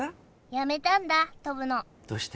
やめたんだ飛ぶのどうして？